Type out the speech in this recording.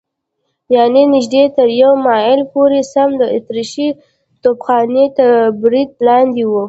یعنې نږدې تر یوه مایل پورې سم د اتریشۍ توپخانې تر برید لاندې و.